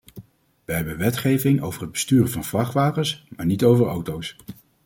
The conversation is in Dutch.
Wij hebben wetgeving over het besturen van vrachtwagens, maar niet over auto's.